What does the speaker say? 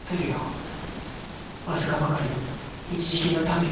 僅かばかりの一時金のために。